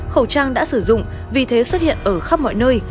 khẩu trang đã sử dụng vì thế xuất hiện ở khắp mọi nơi